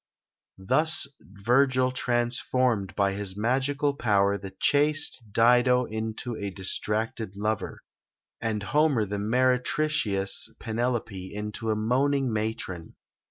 Thus Virgil transformed by his magical power the chaste Dido into a distracted lover; and Homer the meretricious Penelope into a moaning matron.